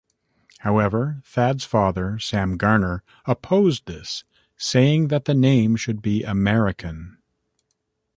However, Thad's father Sam Garner opposed this, saying that the name should be American.